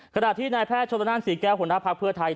ขณะที่นายแพทย์ชนละนานศรีแก้วหัวหน้าภักดิ์เพื่อไทย